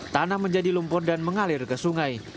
tanah menjadi lumpur dan mengalir ke sungai